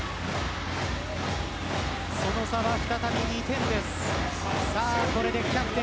その差は再び２点です。